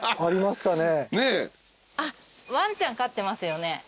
ワンちゃん飼ってますよね？